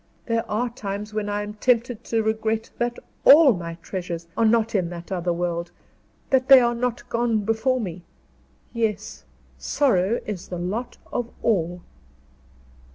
There are times when I am tempted to regret that all my treasures are not in that other world; that they had not gone before me. Yes; sorrow is the lot of all."